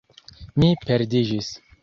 Mi perdiĝis